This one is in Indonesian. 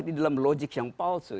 di dalam logik yang palsu